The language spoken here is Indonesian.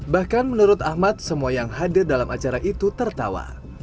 bahkan menurut ahmad semua yang hadir dalam acara itu tertawa